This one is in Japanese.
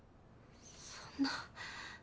そんな。